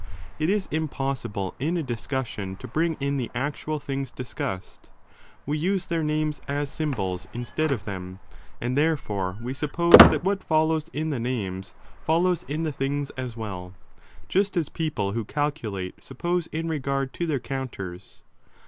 It is impossible 5 in a discussion to bring in the actual things discussed : we use their names as symbols instead of them ; and therefore we suppose that what follows in the names, follows in the things as well, just as people who calculate suppose in regard to their counters.